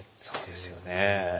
そうですよね。